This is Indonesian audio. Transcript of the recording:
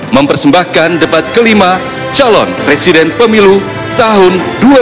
mempersembahkan debat kelima calon presiden pemilu tahun dua ribu dua puluh empat